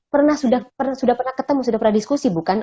pernah sudah pernah ketemu sudah pernah diskusi bukan